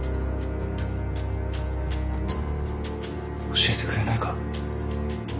・教えてくれないか？